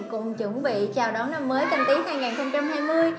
cùng chuẩn bị chào đón năm mới canh tí hai nghìn hai mươi